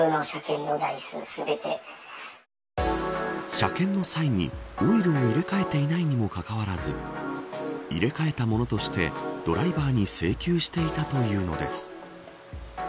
車検の際に、オイルを入れ替えていないにもかかわらず入れ替えたものとしてドライバーに請求していたというのです。